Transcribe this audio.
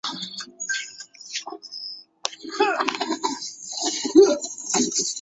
蒙特莫人口变化图示